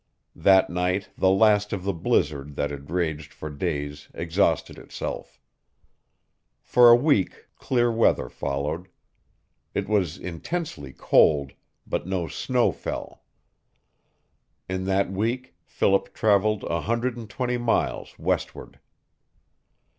That night the last of the blizzard that had raged for days exhausted itself. For a week clear weather followed. It was intensely cold, but no snow fell. In that week Philip traveled a hundred and twenty miles westward.